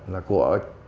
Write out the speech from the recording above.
là của công ty đó